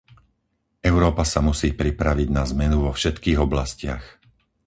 Európa sa musí pripraviť na zmenu vo všetkých oblastiach.